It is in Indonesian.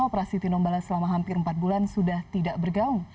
operasi tinombala selama hampir empat bulan sudah tidak bergaung